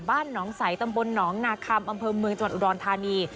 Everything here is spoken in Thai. บ้านหนองใสตำบลหนองนาคัมอำเภอเมืองจังหวัดอุดรธานี